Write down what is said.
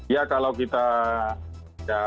ya kalau kita